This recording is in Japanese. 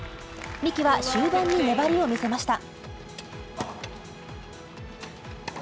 三木は終盤に粘りを見せました。